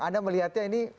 anda melihatnya ini